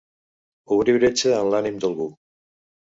Obrir bretxa en l'ànim d'algú.